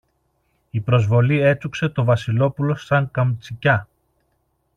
Η προσβολή έτσουξε το Βασιλόπουλο σαν καμτσικιά.